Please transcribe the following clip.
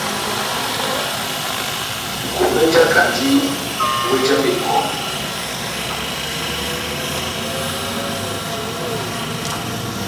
Nʼkombé mújakandi wéh já bebɔdu.